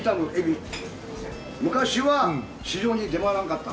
昔は市場に出回らんかった。